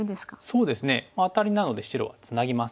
そうですねアタリなので白はツナぎます。